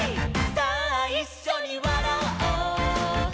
さあいっしょにわらおう」